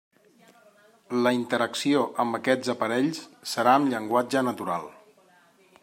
La interacció amb aquests aparells serà amb llenguatge natural.